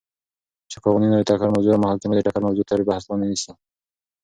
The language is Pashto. چی قوانینو ټکر موضوع او محاکمو د ټکر موضوع تر بحث لاندی نیسی ،